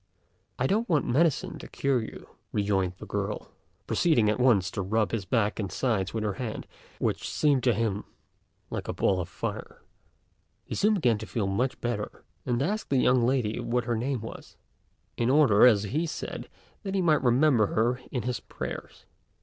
"I don't want medicine to cure you with," rejoined the girl, proceeding at once to rub his back and sides with her hand, which seemed to him like a ball of fire. He soon began to feel much better, and asked the young lady what her name was, in order, as he said, that he might remember her in his prayers.